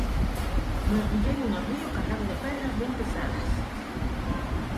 Mergulleino no río cargado de pedras ben pesadas.